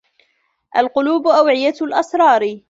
الْقُلُوبُ أَوْعِيَةُ الْأَسْرَارِ